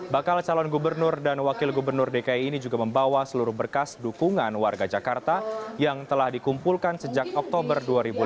bakal calon gubernur dan wakil gubernur dki ini juga membawa seluruh berkas dukungan warga jakarta yang telah dikumpulkan sejak oktober dua ribu lima belas